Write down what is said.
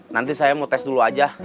nanti saya mau tes dulu aja